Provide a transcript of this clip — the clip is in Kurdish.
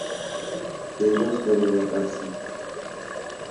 Pîroz be li we ev sal.